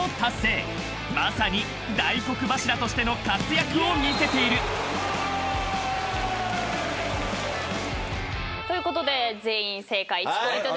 ［まさに大黒柱としての活躍を見せている］ということで全員正解１ポイントずつ差し上げます。